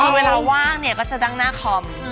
เวลาว่างก็จะนั่งหน้าคอม